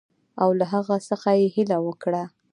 او له هغه څخه یې هیله وکړه.